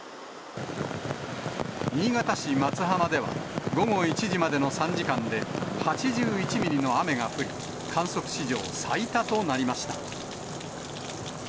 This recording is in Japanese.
新潟市松浜では午後１時までの３時間で８１ミリの雨が降り、観測史上最多となりました。